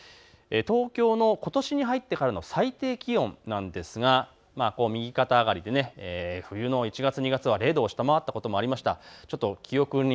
東京のことしに入ってからの最低気温なんですが右肩上がりで冬の１月、２月は０度を下回ったこともありました。